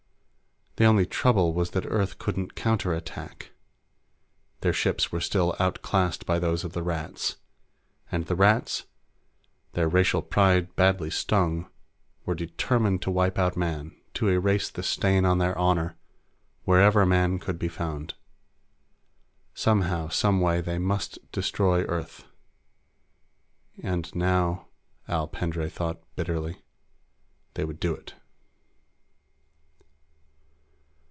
The only trouble was that Earth couldn't counterattack. Their ships were still out classed by those of the Rats. And the Rats, their racial pride badly stung, were determined to wipe out Man, to erase the stain on their honor wherever Man could be found. Somehow, some way, they must destroy Earth. And now, Al Pendray thought bitterly, they would do it.